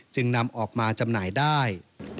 จึงนำออกมาจำหน่ายได้